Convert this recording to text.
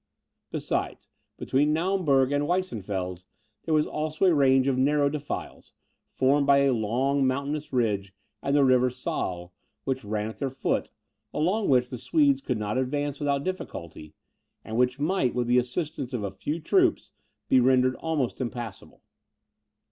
Besides, between Naumburg and Weissenfels there was also a range of narrow defiles, formed by a long mountainous ridge, and the river Saal, which ran at their foot, along which the Swedes could not advance without difficulty, and which might, with the assistance of a few troops, be rendered almost impassable.